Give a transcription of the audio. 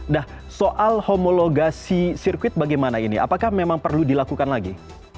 nah soal homologasi sirkuit bagaimana ini apakah memang perlu dilakukan lagi